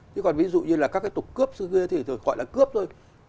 thế còn ví dụ như là các cái tục cướp xưa kia thì gọi là cướp thôi